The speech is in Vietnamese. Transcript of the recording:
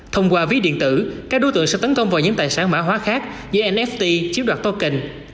thông qua ví điện tử các đối tượng sẽ tấn công vào những tài sản mã hóa khác như nft chiếm đoạt toking